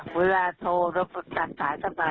ก็เวลาโทรตัดสายต่อไป